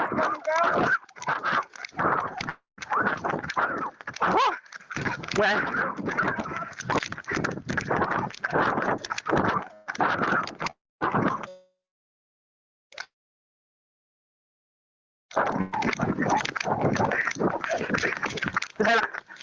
เธอภาพเป็นอะไร